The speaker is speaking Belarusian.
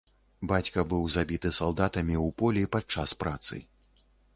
Бацька быў забіты салдатамі ў полі падчас працы.